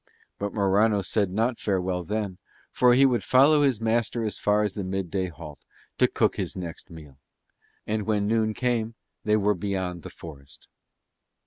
But Morano said not farewell then, for he would follow his master as far as the midday halt to cook his next meal. And when noon came they were beyond the forest.